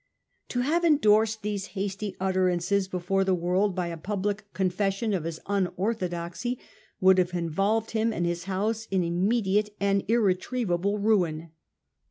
To have endorsed these hasty utterances before the world by a public confession of his unorthodoxy would have involved himself and his house in immediate and irretrievable ruin.